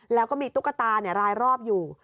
แล้วก็มีตุ๊กตารายรอบอยู่